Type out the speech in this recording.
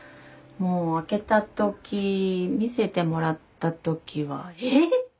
もう開けた時見せてもらった時はえっ！